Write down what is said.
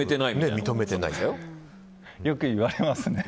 よく言われますね。